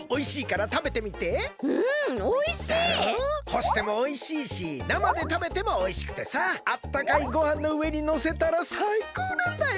ほしてもおいしいしなまでたべてもおいしくてさあったかいごはんのうえにのせたらさいこうなんだよ。